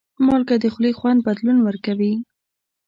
مالګه د خولې خوند بدلون ورکوي.